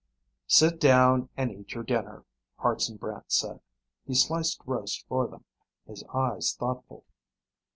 "Sit down and eat your dinner," Hartson Brant said. He sliced roast for them, his eyes thoughtful.